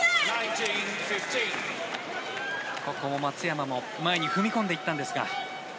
ここも松山も前に踏み込んでいったんですが。